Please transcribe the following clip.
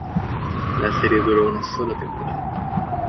La serie duró una sola temporada.